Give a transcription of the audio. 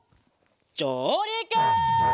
じょうりく！